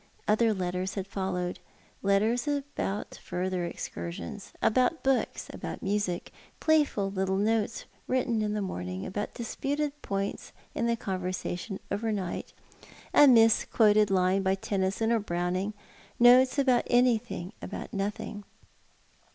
Other letters had followed — letters about further excui sions — about hooks — about music — playful little notes written in the morning about disputed points in the conversation overnight, a misquoted line by Tennyson or Browning — notes about any thing, or about nothing.